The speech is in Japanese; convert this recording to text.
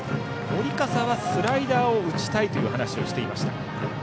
織笠はスライダーを打ちたいという話をしていました。